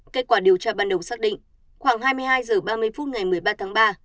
kết quả điều tra ban đầu xác định khoảng hai mươi hai h ba mươi phút ngày một mươi ba tháng ba